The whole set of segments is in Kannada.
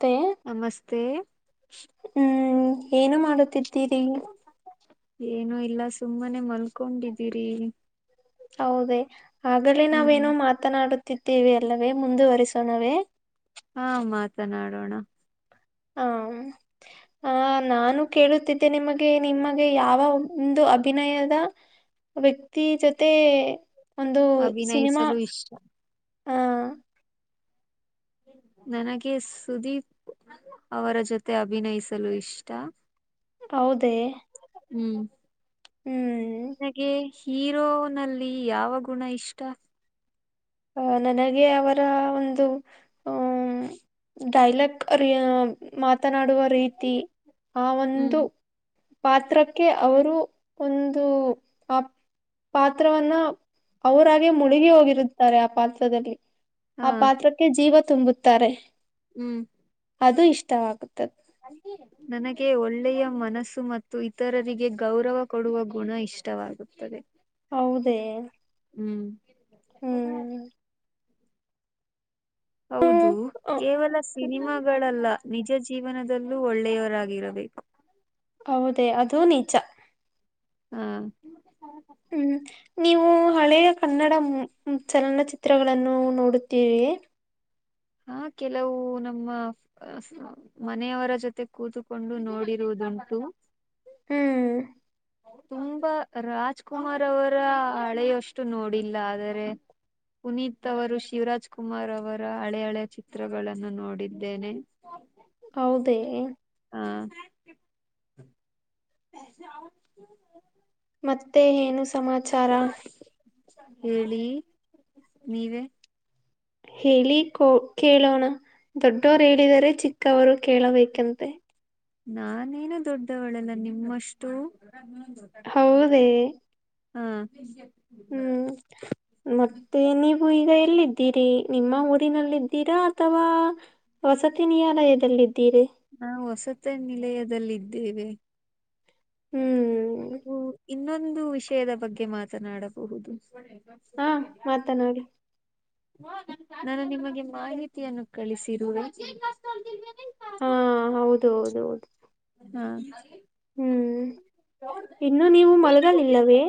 ತೋ ನಮಸ್ತೆ ಹಹ್ಮ್ ಹ್ಮ್ ಏನು ಮಾಡುತ್ತಿದ್ದೀರಿ ಏನು ಇಲ್ಲ ಸುಮ್ಮನೆ ಮಲ್ಕೊಂಡಿದ್ದೀರಿ ಹೌದು ಹಾಗಲೇ ಹ್ಮ್ ನಾವೇನೋ ಮಾತನಾಡು ತೀರ್ತು ಅಲ್ಲವೇ ಮುಂದುವರಿಸೋಣವೇ ಹಾ ಮಾತನಾಡೋಣ ಹಾ ಆ ನಾನು ಕೇಳುತ್ತಿದ್ದೆ ನಿಮಗೆ ನಿಮಗೆ ಯಾವ ಒಂದು ಅಭಿನಯದ ವ್ಯಕ್ತಿ ಜೊತೆ ಒಂದು ಸಿನಿಮಾ ಅಭಿನಯಿಸಲು ಇಷ್ಟ ಹ ನನಗೆ ಸುದೀಪ್ ಅವರ ಜೊತೆ ಅಭಿನಯಿಸಲು ಇಷ್ಟ ಹೌದೇ ಹ್ಮ್ ಹ್ಮ್ ನಿನಗೆ ಹೀರೋನಲ್ಲಿ ಯಾವ ಗುಣ ಇಷ್ಟ ಅಹ ನನಗೆ ಅವರ ಒಂದು ಹ ಡೈಲಕ್ ರಿ ಮಾ ಮಾತನಾಡುವ ರೀತಿ ಆ ಒಂದು ಹ್ಮ್ ಪಾತ್ರಕ್ಕೆ ಅವರು ಒಂದು ಆ ಪಾತ್ರವನ್ನ ಅವರಾಗೆ ಮುಳುಗಿ ಹೋಗಿರುತ್ತ ಆ ಪಾತ್ರದಲ್ಲಿ ಹಾ ಆ ಪಾತ್ರಕ್ಕೆ ಜೀವ ತುಂಬುತ್ತಾರೆ ಹ್ಮ್ ಅದು ಇಷ್ಟವಾಗ ನನಗೆ ಒಳ್ಳೆ ಒಳ್ಳೆಯ ಮನಸ್ಸು ಮತ್ತು ಇತರರಿಗೆ ಗೌರವ ಕೊಡುವ ಗುಣ ಇಷ್ಟವಾಗುತ್ತದೆ ಹೌದೇ ಹ್ಮ್ ಹ ಹ್ಮ್ ಹೌದು ಕೇವಲ ಸಿನಿಮಾಗಳಲ್ಲ ನಿಜ ಜೀವನದಲ್ಲೂ ಒಳ್ಳೆಯವರಾಗಿರಬೇಕು ಹೌದೇ ಅದೂ ನಿಜ ಹ್ಮ ಹ್ಮ್ ನೀವು ಹಳೆಯ ಕನ್ನಡ ಚಲನಚಿತ್ರಗಳನ್ನು ನೋಡುತ್ತೀರಿಯೆ ಹಾ ಕೆಲವು ನಮ್ಮ ಮನೆಯವರ ಜೊತೆ ಕೂತ್ಕೊಂಡು ನೋಡಿರುವುದುಂಟು ಹ್ಮ್ ತುಂಬಾ ರಾಜ್ಕುಮಾರ್ ಅವರ ಹಳೆಯಷ್ಟು ನೋಡಿಲ್ಲ ಆದರೆ ಪುನೀತ್ ಅವರು ಶಿವರಾಜ್ ಕುಮಾರ್ ಅವರ ಹಳೆ ಹಳೆಯ ಚಿತ್ರಗಳನ್ನು ನೋಡಿದ್ದೇನೆ ಹೌದೇ ಹಾ [unintelligible] ಮತ್ತೆ ಏನು ಸ ಹೇಳಿ ನೀವೇ ಹೇಳಿ ಕೋ ಕೇಳೋಣ ದೊಡ್ಡೋರು ಹೇಳಿದರೆ ಚಿಕ್ಕವರು ಕೇಳಬೇಕಂತೆ ನಾನೇನು ದೊಡ್ಡವಳಲ್ಲ ನಿಮ್ಮಷ್ಟು ಹೌದೇ [unintelligible] ಹಾ ಹ್ಮ್ ಮತ್ತೆ ನೀವು ಈಗ ಎಲ್ಲಿ ಇದ್ದೀರಿ ನಿಮ್ಮ ಊರಿನಲ್ಲಿದ್ದೀರಾ ಅಥವಾ ವಸತಿ ನ್ಯಾಲಯದಲ್ಲಿದ್ದೀ ಹಾ ಹೊಸತ ನಿಲಯದಲ್ಲಿದ್ ದೇವೆೇ ಹ ಹ್ಮ್ [unintelligible] ಇನ್ನೊಂದು ವಿಷಯದ ಬಗ್ಗೆ ಮಾತನಾಡಬಹುದು ಹಾ ಮಾತನಾಡಿ ನಾನು ನಿಮಗೆ ಮಾಹಿತಿಯನ್ನು ಕಳಿಸಿರುವೆ ಹಾ ಹೌದು ಹೌದು ಹೌದು ಹಾ ಹ್ಮ್ ಇನ್ನು ನೀವು ಮಲಗಲಿಲ್ಲವೇ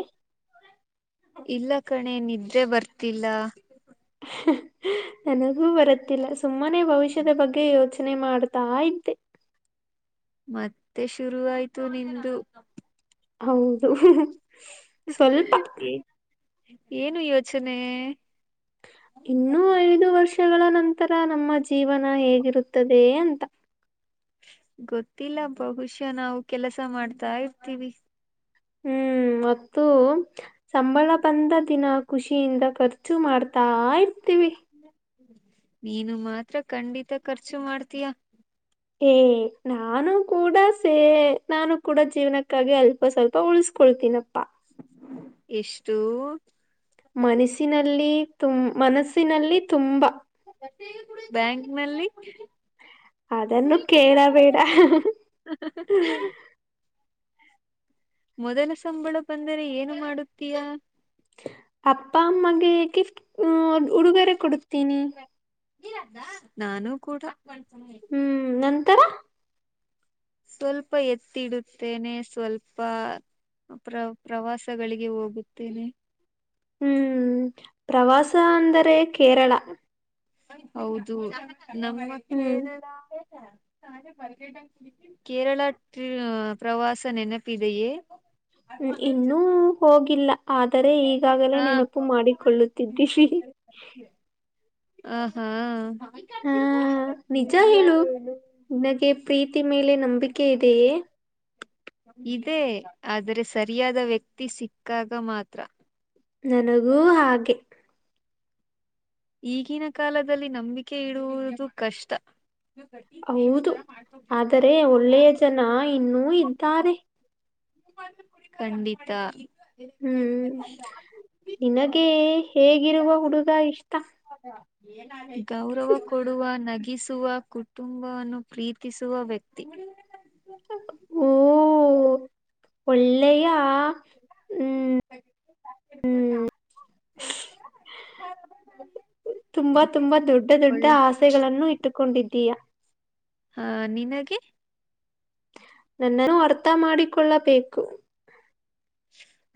ಇಲ್ಲ ಕಣೆ ನಿದ್ದೆ ಬರ್ತಿಲ್ಲ ನನಗೂ ಬರುತ್ತಿಲ್ಲ ಸುಮ್ ನಮ್ಮನೆ ಭವಿಷ್ಯದ ಬಗ್ಗೆ ಯೋಚ ನೆ ಮಾಡ್ತಾ ಇದ್ದೆ ಮತ್ತೆ ಶುರು ಆಯ್ತು ನಿಂದು ಹೌದು ಸ್ವಲ್ಪ ಏ ಏನು ಯೋಚನೆ- ಇನ್ನುೂ ಐದು ವಷ್ ವರ್ಷಗಳ ನಂತರ ನಮ್ಮ ಜೀವನ ಹೇಗಿರುತ್ತದೆ ಅಂತ ಗೊತ್ತಿಲ್ಲ ಬಹುಶ ನಾವು ಕೆಲಸ ಮಾಡ್ತಾ ಇರ್ತೀವಿ ಹ್ಮ್ ಮತ್ತು ಸಂಬಳ ಬಂದ ದಿನ ಖುಷಿಯಿಂದ ಖರ್ಚು ಮಾಡ್ತಾ ಇರ್ತೀವಿ ನೀನು ಮಾತ್ರ ಖಂಡಿತ ಖರ್ಚು ಮಾಡ್ತೀಯಾ ಏ ನಾನು ಕೂಡ ಸೇ ನಾನು ಕೂಡ ಜೀವನಕ್ಕಾಗಿ ಅಲ್ಪ ಸ್ವಲ್ಪ ಉಳಸ್ಕೊಳ್ತೀನಪ್ಪಾ ಎಷ್ಟು ಮನಸಿನಲ್ಲಿ ತುಮ್ ಮನಸ್ಸಿನಲ್ಲಿ ತುಂಬಾ ಬ್ಯಾಂಕ್ನಲ್ಲಿ ಅದನ್ನು ಕೇಳ ಬೇಡ ಮೊದಲ ಸಂಬಳ ಬಂದರೆ ಏನು ಮಾಡುತ್ತೀಯಾ ಅಪ್ಪಾಮ್ಮಗೆ ಗಿಪ್ಟ್ ಹ್ಮ ಉಡುಗೊರೆ ಕೊಡುತ್ತೀನಿ ನಾನು ಕೂಡ ಹ್ಮ್ ನನ್ ಸ್ವಲ್ಪ ಎತ್ತಿಡುತ್ತೇನೆ ಸ್ವಲ್ಪ ಪ್ರ ಪ್ರವಾಸಗಳಿಗೆ ಹೋಗುತ್ತೇನೆ ಹ್ಮ್ ಪ್ರವಾಸ ಅಂದರೆ ಕೇರಳ ಹೌದು ನಮ್ಮ ಹ್ಮ್ ಕೇರಳ ಕೇರಳ ಪ್ರವಾಸ ನೆನಪಿದೆಯೇ ಹ್ಮ್ ಇನ್ನೂ ಹೋಗಿಲ್ಲ ಆದರೆ ಈಗಾಗಲೇ ಹ ನೆನಪು ಮಾಡಿಕೊಳ್ಳುತ್ತಿದ್ದೀವಿ ಆ ಹಾ ಹಾ ನಿಜ ಹೇಳು ನಿನ್ನಕ್ಕೆ ಪ್ರೀತಿ ಮೇಲೆ ನಂಬಿಕೆ ಇದೆಯೇ ಇದೇ ಆದರೆ ಸರಿಯಾದ ವ್ಯಕ್ತಿ ಸಿಕ್ಕಾಗ ಮಾತ್ರ ನನಗೂ ಹಾಗೆ ಈಗಿನ ಕಾಲದಲ್ಲಿ ನಂಬಿಕೆ ಇಡುವುದು ಕಷ್ಟ ಹೌದು ಆದರೆ ಒಳ್ಳೆಯ ಜನ ಇನ್ನೂ ಇದ್ದಾರೆ ಖಂಡಿತಾ ಹ್ಮ್ ನಿನಗೆ ಹೇಗಿರುವ ಹುಡುಗ ಇಷ್ಟ ಏನ್ ಆ [inaudible] ಗೌರವ ಕೊಡುವ ನಗ ಇಸಿಸುವ ಕುಟುಂಬವನ್ನು ಪ್ರೀತಿಸುವ ವ್ಯಕ್ತಿ ಓ ಒಳ್ಳೆಯಾ ಹ್ಮ ಹ್ಮ್ ತುಂಬಾ ತುಂಬಾ ದೊಡ್ಡ ದೊಡ್ಡ ಒಳ್ ಆಸೆಗಳನ್ನು ಇಟ್ಟುಕೊಂಡಿದ್ದ ದೆಯಾ ಹಾ ನಿನಗೆ ನನ್ನನ್ನು ಅರ್ಥ ಮಾಡಿಕೊಳ್ಳಬೇಕು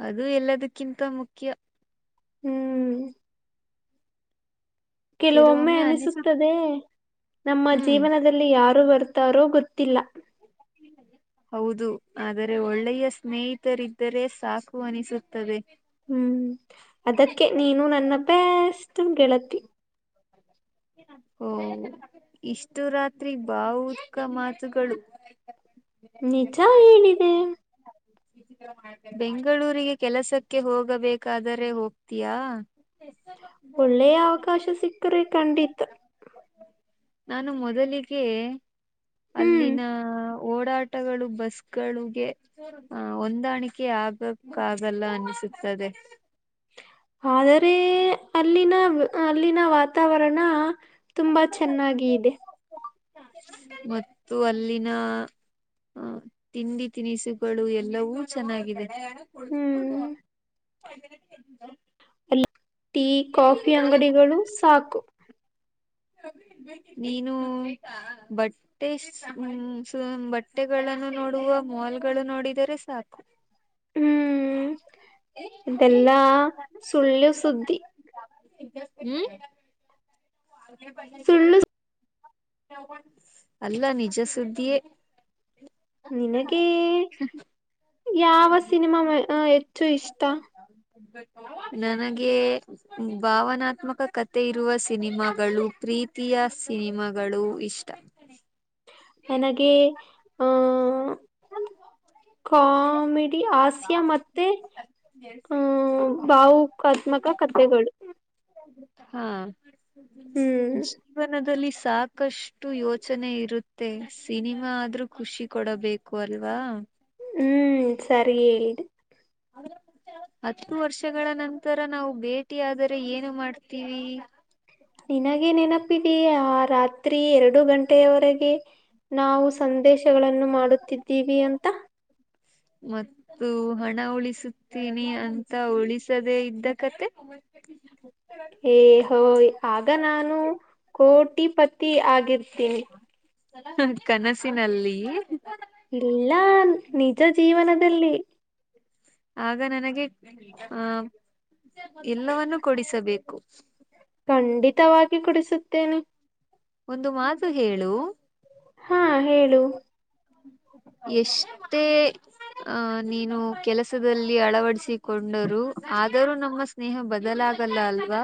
ಅದು ಎಲ್ಲದಕ್ಕಿಂತ ಮುಖ್ಯ ಹ್ಮ್ ಕೆಲವೊಮ್ಮೆ ಅನಿಸುತ್ತದೆ ನಮ್ಮ ಹ್ಮ್ ಜೀವನದಲ್ಲಿ ಯಾರು ಬರು ಗತ್ತಾರೋ ಗೊತ್ತಿಲ್ಲ ಹೌದು ಆದರೆ ಒಳ್ಳೆಯ ಸ್ನೇಹಿತರಿದ್ದರೆ ಸಾಕು ಅನಿಸುತ್ತದೆ ಹ್ಮ್ ಅದಕ್ಕೆ ನೀನು ನನ್ನ ಬೆಸ್ಟ್ ಗೆಳತಿ [inaudible] ಓಇಷ್ಟು ರಾತ್ರಿ ಭಾವುಕ ಮಾತುಗಳು ನಿಜ ಹೇಳಿದೆ ಬೆಂಗಳೂರಿಗೆ ಕೆಲಸಕ್ಕೆ ಹೋಗಬೇಕಾದರೆ ಹೋಗ್ತೀಯಾ ಒಳ್ಳೆಯ ಅವಕಾಶ ಸಿಕ್ತ ಕರೆ ಖಂಡಿತ ನಾನು ಮೊದಲಿಗೆ ಹ್ಮ್ ಅಲ್ಲಿನ ಓಡಾಟಗಳು ಬಸ್ಸಗಳಿಗೆ ಆ ಹೊಂದಾಣಿಕೆ ಆಗಕ್ಕಾಗಲ್ಲ ಅನಿಸುತ್ತದೆ ಆದರೆ ಅಲ್ಲಿನ ಅಲ್ಲಿನ ವಾತಾವರಣಾ ತುಂಬಾ ಚೆನ್ನಾಗಿ ಇದೆ ಮತ್ತು ಅಲ್ಲಿನ ತಿಂಡಿ ತಿನಿಸುಗಳು ಎಲ್ಲವೂ ಚೆನ್ನಾಗಿದೆ ಹ ಹ್ಮ್ ಕೊಳಿಸುವ [unintelligible] [inaudible] ಅಲ್ಲಿ ಟೀ ಕಾಫಿ ಅಂಗಡಿಗಳು ಸಾಕು ನೀನು ಬಟ್ಟೆ ಬಟ್ಟೆಗಳನ್ನು ನೋಡುವ ಮಾಲ್ ಗಳನು ನೋಡಿದರೆ ಸಾಕು ಹ್ಮ್ ಹ್ಮ್ ಇದೆಲ್ಲಾ ಸುಳ್ಳು ಸುದ್ದಿ ಹ್ಮ ಸುಳ್ಳು [unintelligible] ಅಲ್ಲ ನಿಜ ಸುದ್ದಿಯೇ ನಿನಗೆೇ ಯಾವ ಸಿನಿಮಾ ಹೆಚ್ಚು ಇಷ್ಟ ನನಗೆ ಭಾವನಾತ್ಮಕ ಕಥೆ ಇರುವ ಸಿನಿಮಾಗಳು ಪ್ರೀತಿಯ ಸಿನಿಮಾಗಳು ಇಷ್ಟ ನನಗೆ ಹ ಕಾಮಿಡಿ ಹಾಸ್ಯ ಮತ್ತೆ ಭವುಕಾತ್ಮಕ ಕಥೆಗಳು ಹಾ ಹ್ಮ್ ಜೀವನದಲ್ಲಿ ಸಾಕಷ್ಟು ಯೋಚನೆ ಇರುತ್ತೆ ಸಿನಿಮಾ ಆದ್ರೂ ಖುಷಿ ಕೊಡಬೇಕು ಅ ಅವಾ ಹ್ಮ್ ಸರಿ ಹೇಳಿದೆ ಹತ್ತು ವರ್ಷಗಳ ನಂತರ ನಾವು ಭೇಟಿಯಾದರೆ ಏನು ಮಾಡ್ತೀವಿ ಎ ಆ ರಾತ್ರಿ ಎರಡು ಗಂಟೆಯವರೆಗೆ ನಾವು ಸಂದೇಶಗಳನ್ನು ಮಾಡುತ್ತಿದ್ದೀವಿ ಅಂತ ಮತ್ತು ಹಣ ಉಳಿಸುತ್ತೀನಿ ಅಂತ ಉಳಿಸದೇ ಇದ್ದ ಕತೆ ಏ ಹೋಯ್ ಈ ಹಾಗೆ ಆಿರ್ತೀನಿ ಕನಸಿನಲ್ಲಿ ಇಲ್ಲ ನಿಜ ಜೀವನದಲ್ಲಿ ಆಗ ನನಗೆ ಆ ಎಲ್ಲವನ್ನು ಕೊಡಿಸಬೇಕು ಖಂಡಿತವಾಗಿ ಕುಡಿಸುತ್ತ ತ್ತೇನೆ ಒಂದು ಮಾತು ಹೇಳು ಹಾ ಹೇಳು ಎಷ್ಟೇ ಅಹ ನೀನು ಕೆಲಸದಲ್ಲಿ ಅಳವಡಿಸಿ ಕೊಂಡರು ಆದರೂ ನಮ್ಮ ಸ್ನೇಹ ಬದಲಾಗಲ್ಲ ಅಲ್ವಾ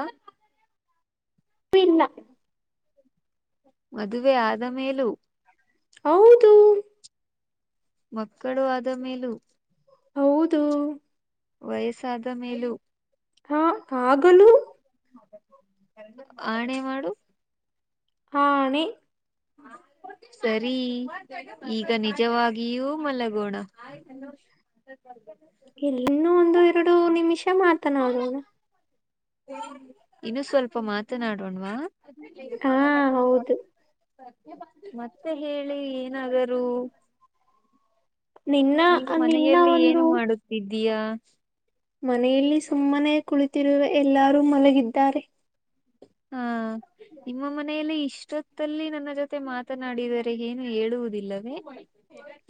ಇನ್ನ ಮದುವೆ ಆದ ಮೇಲೂ ಹೌದು ಮಕ್ಕಳು ಆದ ಮೇಲೂ ಹೌದು ವಯಸ್ಸಾದ ಮೇಲು ಹಾ ಆಗಲು ಆಣೆ ಮಾಡು ಆನೆ ಸರಿ ಈಗ ನಿಜವಾಗಿಯೂ ಮಲಗೋಣ ಇಲ್ಲಿನ್ನು ಒಂದು ಎರಡು ನಿಮಿಷ ಮಾತನಾಡೋಣ ಇನ್ನು ಸ್ವಲ್ಪ ಮಾತನಾಡೋಣ್ವಾ ಹಾ ಹೌದು [unintelligible] ಮತ್ತೆ ಹೇಳಿ ಏನಾದರು ನಿನ್ನ ನೀನು ನಿನ್ನ ಮನೆಯಲ್ಲಿ ಒಂದು ಏನು ಮಾಡುತ್ತಿದ್ದೀಯಾ [inaudible] ಮನೆಯಲ್ಲಿ ಸುಮ್ಮನೆ ಕುಳಿತಿರುವೆ ಎಲ್ಲರೂ ಮಲಗಿದ್ದಾರೆ ಹಾ ನಿಮ್ಮ ಮನೆಯಲ್ಲಿ ಇಷ್ಟೊತ್ತಲ್ಲಿ ನನ್ನ ಜೊತೆ ಮಾತನಾಡಿದರೆ ಏನು ಹೇಳುವುದಿಲ್ಲವೇ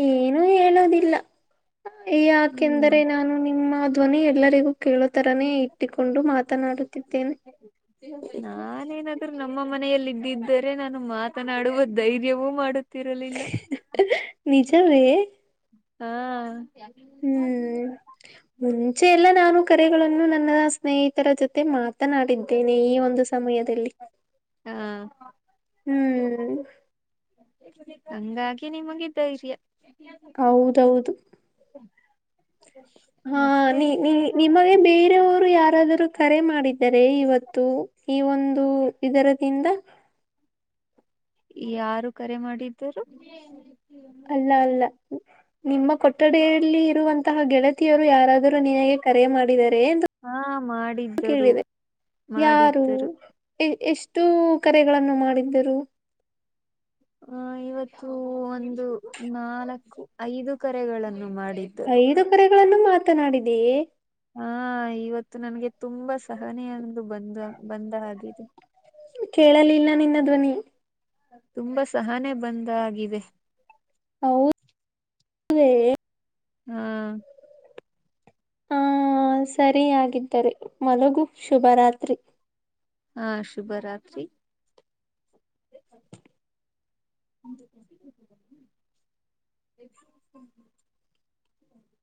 ಏನು ಹೇಳೋವುದಿಲ್ಲ ಹ್ಮ್ ಯಾಕೆಂದರೆ ನಾನು ನಿಮ್ಮದು ಧ್ವನಿ ಎಲ್ಲರಿಗೂ ಕೇಳು ತರನೇ ಇಟ್ಟಿಕೊಂಡು ಮಾತನಾಡುತ್ತಿದ್ದೇನೆ ನಾನೇನಾದ್ರೂ ನಮ್ಮ ಮನೆಯಲ್ಲಿ ಇದ್ದಿದ್ದರೆ ನಾನು ಮಾತನಾಡುವ ಧೈರ್ಯವೂ ಮಾಡುತ್ತೆ ತಿರಲಿಲ್ಲ ನಿಜವೆ ಹಾ ಹ್ಮ್ ಮುಂಚೆ ಎಲ್ಲ ನಾನು ಕರೆಗಳನ್ನು ನನ್ನ ಸ್ನೇಹಿತ ಜೊತೆ ಮಾತನಾಡಿದ್ದೇನೆ ಈ ಒಂದು ಸಮಯದಲ್ಲಿ [inaudible] ಹಾ ಹ್ಮ್ ಹ್ಮ್ ಹಂಗಾಗಿ ನಿಮಗೆ ಧೈರ್ಯ ಹೌದೌದು ಹಾ ಮತ್ತೆ ನೀ ನೀ ಇನ್ನೇನು ನಿಮಗೆ ಬೇರೆಯವರು ಯಾರಾದರೂ ಕರೆ ಮಾಡಿದರೆ ಇವತ್ತು ಈ ಒಂದು ಇದರದಿಂದ ಯಾರು ಕರೆ ಮಾಡಿದ್ದರು ಅಲ್ಲ ಅಲ್ಲ ನಿಮ್ಮ ಕೊಠಡಿ ಯಲ್ಲಿ ಇರುವಂತಹ ಗೆಳೆತ ಗೆಳತಿಯರು ಯಾರಾದರೂ ನಿನಗೆ ಕರೆ ಮಾಡಿದ್ದಾರೆ ಎಂದು ಹಾ [inaudible] ಮಾಡಿದ್ದರು ಕೇಳಿದೆ ಯಾರು ಮಾಡಿದ್ದರು ಎಷ್ಟ ಎಷ್ಟು ಕರೆಗಳನ್ನು ಮಾಡಿದ್ದರು ಹಾ ಇವತ್ತು ಒಂದು ನಾಲ್ಕು ಐದು ಕರೆಗಳನ್ನು ಮಾಡಿ ಐದು ಕರೆಗ ಗಳನ್ನು ಮಾತನಾಡಿದೆಯೇ ಹಾ ಇವತ್ತು ನನ್ಗೆ ತುಂಬಾ ಸಹನೆಯಂದು ಬಂದು ಬಂದ ಹಾಗಿದೆ ಕೇಳಲಿಲ್ಲ ನಿನ್ನ ಧ್ವನಿ ತುಂಬಾ ಸಹನೆ ಬಂದಗಿದೆ [unintelligible] ಹಾ ಹ ಸರಿಯಾಗಿದ್ದರೆ ಮಲಗು ಶುಭರಾತ್ರಿ ಹಾ ಶುಭರಾತ್ರಿ ಅನಿಂಟೆಲಿಜಬಲ್ [unintelligible]